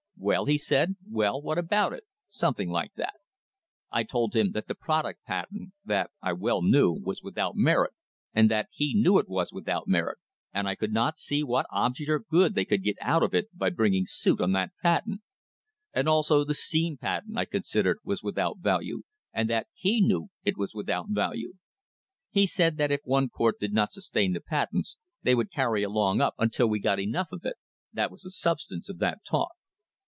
" 'Well,' he said, 'well, what about it?' something like that. I told him that the product patent, that I well knew, was without merit, and that he knew it was without merit, and I could not see what object or good they could get out of it by bringing suit on that patent. And also the steam patent I considered was without value, and that he knew it was without value. He said that if one court did not sustain the patents they would carry along up until we got enough of it that was the substance of that talk."